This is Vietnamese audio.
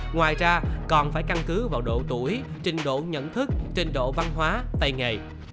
ngoài ra còn phải căn cứ vào độ tuổi trình độ nhận thức trình độ văn hóa tay nghề